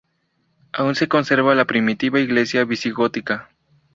Aún se conserva la primitiva iglesia visigótica.